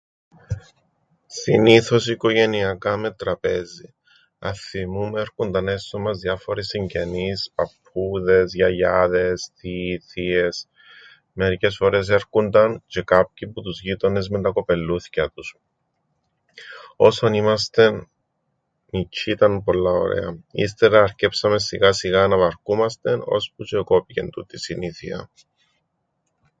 Συνήθως οικογενειακά με τραπέζιν. Αθθυμούμαι έρκουνταν έσσω μας διάφοροι συγγενείς, παππούδες, γιαγιάδες, θείοι, θείες, μερικές φορές έρκουνταν τζ̆αι κάποιοι που τους γείτονες με τα κοπελλούθκια τους. Όσον ήμαστεν μιτσ̆ιοί ήταν πολλά ωραία. Ύστερα αρκέψαμεν σιγά σιγά να βαρκούμαστεν, ώσπου τζ̆αι εκόπηκεν τούτη η συνήθεια.